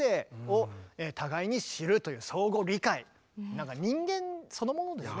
なんか人間そのものですね。